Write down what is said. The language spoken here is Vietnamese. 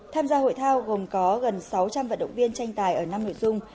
tham gia hội thao gồm có gần sáu trăm linh vận động viên tranh tài ở năm nội dung